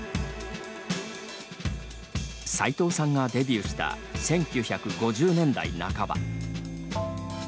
さいとうさんがデビューした１９５０年代半ば。